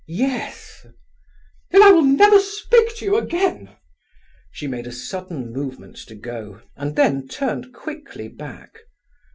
"Yes." "Then I will never speak to you again." She made a sudden movement to go, and then turned quickly back.